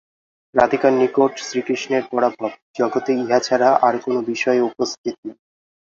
রাধিকার নিকট শ্রীকৃষ্ণের পরাভব, জগতে ইহা ছাড়া আর কোনো বিষয় উপস্থিত নাই।